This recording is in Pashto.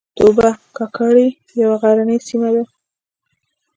توبه کاکړۍ یوه غرنۍ سیمه ده